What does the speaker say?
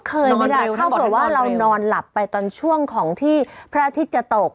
เข้ามาว่าเรานอนหลับไปตอนช่วงของที่พระอาทิตย์จะโต๊ก